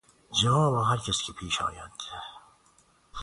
جماع با هر کس که پیش آید